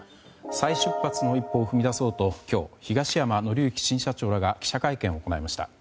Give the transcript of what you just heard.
再出発の一歩を踏み出そうと今日、東山紀之新社長らが記者会見を行いました。